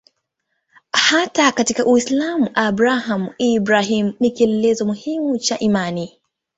Hata katika Uislamu Abrahamu-Ibrahimu ni kielelezo muhimu cha imani.